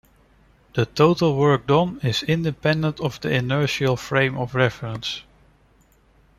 The total work done is independent of the inertial frame of reference.